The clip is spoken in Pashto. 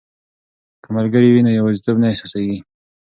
که ملګري وي نو یوازیتوب نه احساسیږي.